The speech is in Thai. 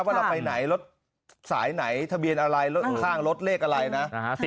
ว่าเราไปไหนรถสายไหนทะเบียนอะไรรถข้างรถเลขอะไรนะ